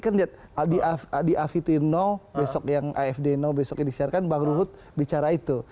kan lihat di afd besok yang afd besok yang disiarkan bang ruhut bicara itu